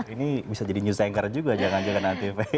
ini bisa jadi news anchor juga jangan jangan nanti